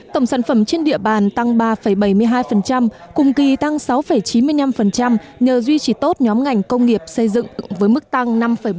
tổng sản phẩm trên địa bàn tăng ba bảy mươi hai cùng kỳ tăng sáu chín mươi năm nhờ duy trì tốt nhóm ngành công nghiệp xây dựng với mức tăng năm bốn